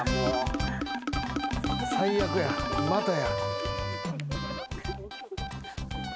・最悪やまたや。